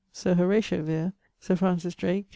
Sir Horatio Vere. Sir Francis Drake.